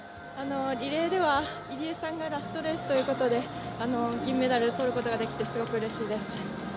リレーでは入江さんがラストレースということで銀メダル取ることができてすごくうれしいです。